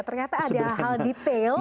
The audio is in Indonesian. ternyata ada hal detail